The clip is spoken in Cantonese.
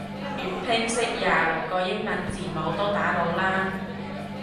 粵拼識廿六個英文字母都打到啦